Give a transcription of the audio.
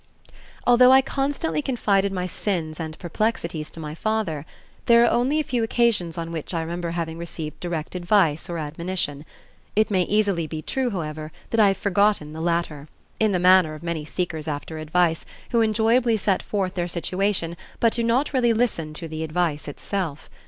Although I constantly confided my sins and perplexities to my father, there are only a few occasions on which I remember having received direct advice or admonition; it may easily be true, however, that I have forgotten the latter, in the manner of many seekers after advice who enjoyably set forth their situation but do not really listen to the advice itself.